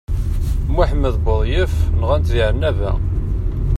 Muḥemmed Buḍyaf nɣant di Ɛennaba.